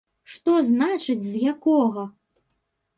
Што значыць, з якога!?